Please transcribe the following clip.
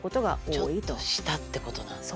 ちょっと下ってことなんだ。